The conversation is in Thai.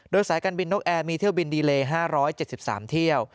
โดยสายการบินนกแอร์มีเที่ยวบินดีเล๕๗๓เที่ยว